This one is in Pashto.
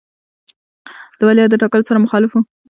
د ولیعهد د ټاکلو سره مخالف وو.